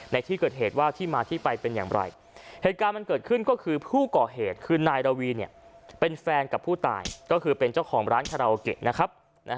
ในที่เกิดเหตุว่าที่มาที่ไปเป็นอย่างไรเหตุการณ์มันเกิดขึ้นก็คือผู้ก่อเหตุคือนายระวีเป็นแฟนกับผู้ตายก็คือเป็นเจ้าของร้านคาราโอเกะนะครับ